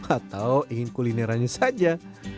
atau ingin kulinerannya saja